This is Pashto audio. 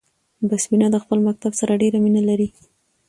بسمينه د خپل مکتب سره ډيره مينه لري 🏫